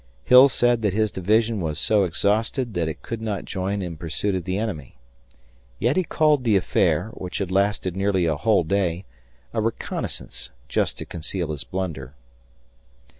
Hill said that his division was so exhausted that it could not join in pursuit of the enemy. Yet he called the affair, which had lasted nearly a whole day, a reconnaissance just to conceal his blunder.